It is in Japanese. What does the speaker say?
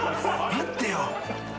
待ってよ。